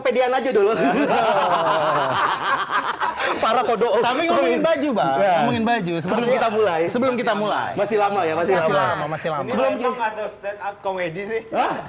parade trucan ajub sea sembilan tebel sebagai sebelum kita mulai masih lama masih lama masih masih